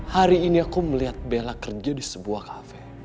hari ini aku melihat bella kerja di sebuah kafe